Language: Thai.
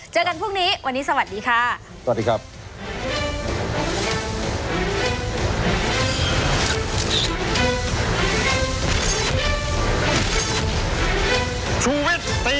ชุวิตตีแสกหน้า